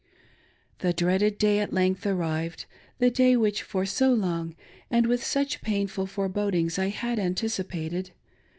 The dreaded day at length arrived, the day which for so' long, and with such painful forebodings, I had anticipated.